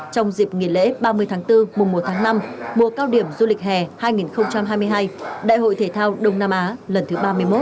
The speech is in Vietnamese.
trong dịp nghỉ lễ ba mươi tháng bốn mùa một tháng năm mùa cao điểm du lịch hè hai nghìn hai mươi hai đại hội thể thao đông nam á lần thứ ba mươi một